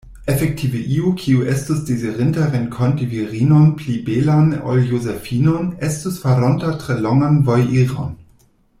Efektive iu, kiu estus dezirinta renkonti virinon pli belan ol Josefinon, estus faronta tre longan vojiron.